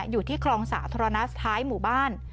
อยู่ที่คลองสาธารณะท้ายหมู่บ้าน